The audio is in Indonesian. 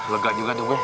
lega juga tuh gue